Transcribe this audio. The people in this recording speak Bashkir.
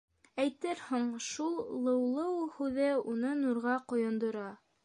Әйтерһең, шул «Лыулыу» һүҙе уны нурға ҡойондора.